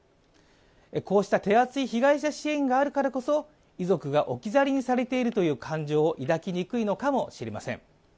こうした手厚い被害者支援があるからこそ遺族が置き去りにされているという感情を抱きにくいのかもしれません。